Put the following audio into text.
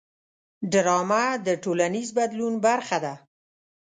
ډرامه د ټولنیز بدلون برخه ده